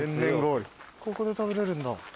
ここで食べれるんだ。